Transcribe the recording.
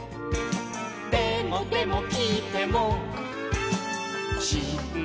「でもでもきいてもしんじない」